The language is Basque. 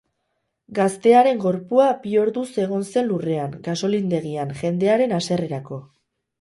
Gaztearen gorpua bi orduz egon zen lurrean, gasolindegian, jendearen haserrerako.